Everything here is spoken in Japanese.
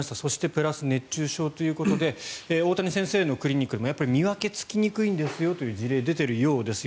プラス熱中症ということで大谷先生のクリニックでも見分けがつきにくいんですよという事例が出ているようです。